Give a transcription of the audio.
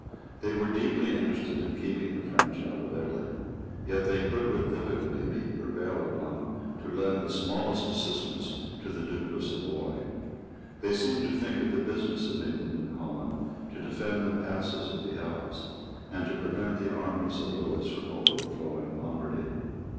They were deeply interested in keeping the French out of Italy. Yet they could with difficulty be prevailed upon to lend the smallest assistance to the Duke of Savoy. They seemed to think it the business of England and Holland to defend the passes of the Alps, and to prevent the armies of Lewis from overflowing Lombardy.